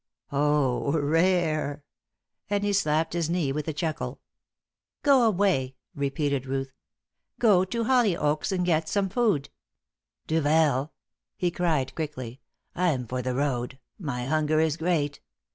Oh, rare." And he slapped his knee with a chuckle. "Go away," repeated Ruth. "Go to Hollyoaks and get some food." "Duvel!" he cried, quickly. "I'm for the road. My hunger is great.